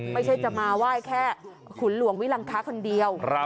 ไม่ใช่จะมาไหว้แค่ขุนหลวงวิลังคาคนเดียว